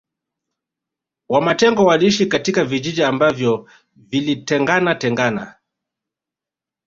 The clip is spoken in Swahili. Wamatengo waliishi katika vijiji ambavyo vilitengana tengana